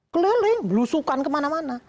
keleleng belusukan kemana mana